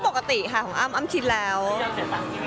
มันแต่จะมีร่วมทุกงาน๔๒๒แนวด้านมาลูกสเตอร์๒เวร